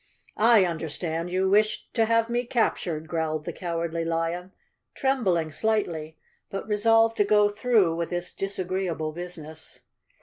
"I understand you wished to have me captured," growled the Cowardly Lion, trembling slightly, but re¬ solved to go through with this disagreeable business.